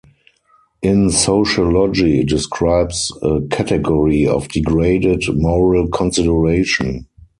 In sociology, it describes a category of degraded moral consideration.